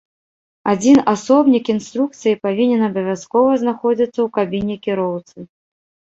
Адзін асобнік інструкцыі павінен абавязкова знаходзіцца ў кабіне кіроўцы.